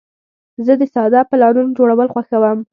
زه د ساده پلانونو جوړول خوښوم.